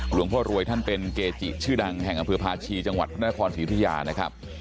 หลวงพ่อรวยท่านเป็นเกจิชื่อดังแห่งอำเภอภาชีจังหวัดนครศิพยานะครับ